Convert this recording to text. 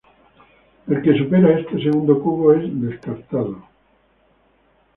El que supera este segundo cubo es descartado.